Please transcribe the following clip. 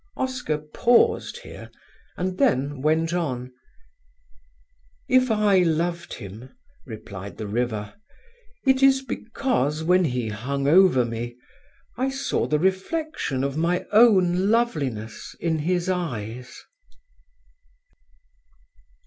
'" Oscar paused here, and then went on: "'If I loved him,' replied the River, 'it is because, when he hung over me, I saw the reflection of my own loveliness in his eyes.'"